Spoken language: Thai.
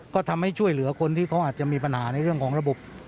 ก็ทำให้ช่วยเหลือคนที่เขาอาจจะมีปัญหาในเรื่องของระบบ